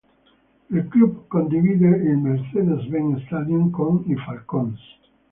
Il club condivide il Mercedes-Benz Stadium con i Falcons.